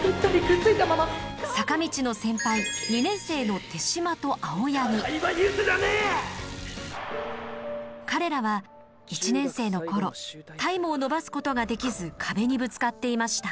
坂道の先輩彼らは１年生の頃タイムを伸ばすことができず壁にぶつかっていました。